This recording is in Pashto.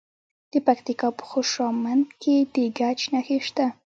د پکتیکا په خوشامند کې د ګچ نښې شته.